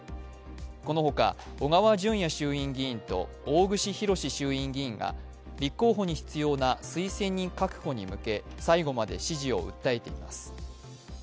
この他、小川淳也衆院議員と大串博志衆院議員が立候補に必要な推薦人確保に向け、最後まで支持を訴えています。